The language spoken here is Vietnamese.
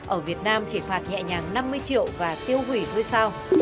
ở việt nam chỉ phạt nhẹ nhàng năm mươi triệu và tiêu hủy thuê sao